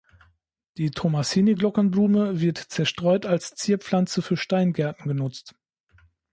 Die Tommasini-Glockenblume wird zerstreut als Zierpflanze für Steingärten genutzt.